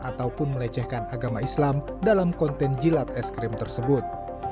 ataupun melecehkan agama islam dalam konten jilat es krim tersebut